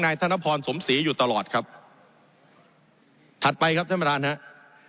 ธนพรสมศรีอยู่ตลอดครับถัดไปครับท่านประธานครับ